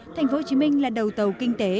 tp hcm là đầu tàu kinh tế